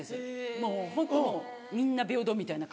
もうみんな平等みたいな感じ。